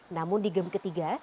namun di game ketiga